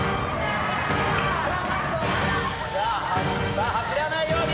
さあ走らないように。